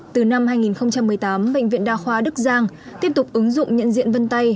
từ năm hai nghìn một mươi tám bệnh viện đa khoa đức giang tiếp tục ứng dụng nhận diện vân tay